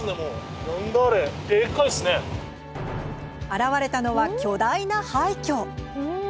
現れたのは巨大な廃虚！